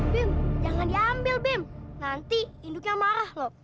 bim jangan diambil bim nanti induknya marah lho